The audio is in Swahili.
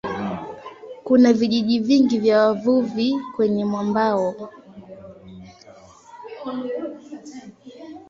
Kuna vijiji vingi vya wavuvi kwenye mwambao.